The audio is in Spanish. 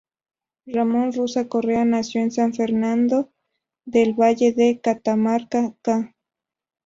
Ramón Rosa Correa nació en San Fernando del Valle de Catamarca ca.